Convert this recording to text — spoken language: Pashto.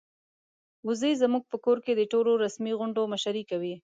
وزې زموږ په کور کې د ټولو رسمي غونډو مشري کوي.